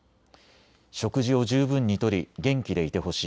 食事を十分に取り、元気でいてほしい。